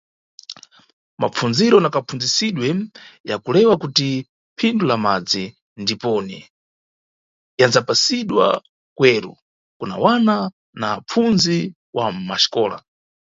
Mapfundziro na kapfundzisidwe ya kulewa kuti phindu lá madzi ndiponi, yandzapasidwa kweru, kuna wana na apfundzi wa mʼmaxikola.